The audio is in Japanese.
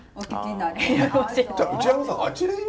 内山さん